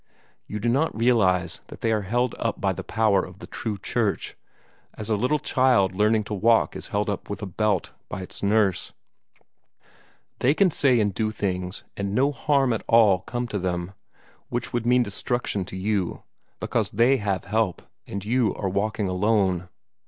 You do not realize that they are held up by the power of the true Church, as a little child learning to walk is held up with a belt by its nurse. They can say and do things, and no harm at all come to them, which would mean destruction to you, because they have help, and you are walking alone.